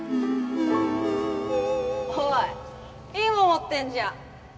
おいいいもんもってんじゃん！